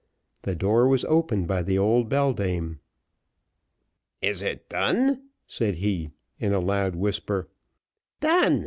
The door was opened by the old beldame. "Is it done?" said he, in a loud whisper. "Done!"